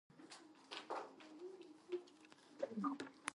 Western saws, on the other hand, are designed to cut on the push stroke.